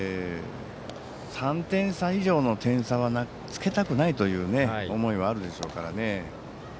３点差以上の点差はつけたくないという思いはあるでしょうからね。